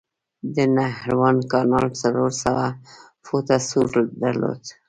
د نهروان کانال څلور سوه فوټه سور درلود.